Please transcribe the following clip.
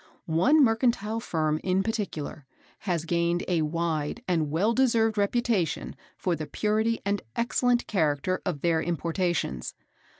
One mercantile Firm in particular have gained a wide and well deserved reputation for the purity and excellent character of their importations.